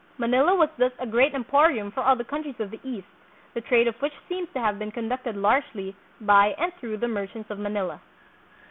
Manila was thus a great em porium for all the countries of the East, the trade of which seems to have been conducted largely by and through the merchants of Manila.